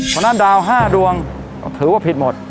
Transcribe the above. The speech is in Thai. เพราะฉะนั้นดาว๕ดวงถือว่าผิดหมด